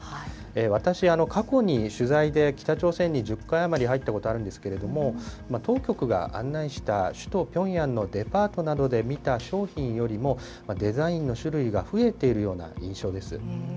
私、過去に取材で北朝鮮に１０回余り入ったことあるんですけれども、当局が案内した首都ピョンヤンのデパートなどで見た商品などよりもデザインの種類が増えているような印象です。